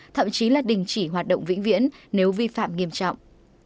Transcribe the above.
thậm chí là đình chỉ hoạt động vĩnh viễn nếu vi phạm nghiêm trọng